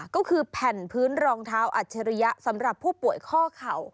ก็คือแผ่นพื้นรองเท้าอัจฉริยะสำหรับผู้ป่วยข้อเข่า